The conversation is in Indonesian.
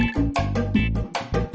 pengaruh ya bang